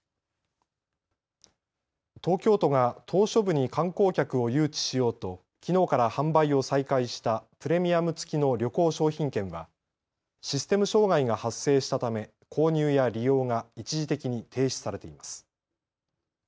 東京都が島しょ部に観光客を誘致しようときのうから販売を再開したプレミアム付きの旅行商品券はシステム障害が発生したため購入や利用が一時的に停止されています。